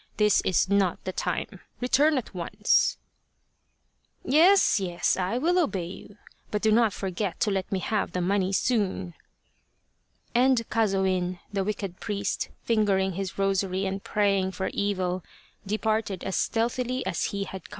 This is not the time. Return at once !"" Yes, yes, I will obey you, but do not forget to let me have the money soon." And Kazoin, the wicked priest, fingering his rosary and praying for evil, departed as stealthily as he had come.